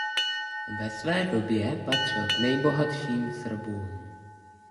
Ve své době patřil k nejbohatším Srbům.